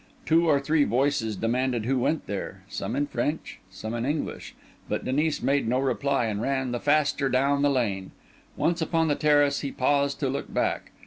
Two or three voices demanded who went there—some in French, some in English; but Denis made no reply, and ran the faster down the lane. Once upon the terrace, he paused to look back.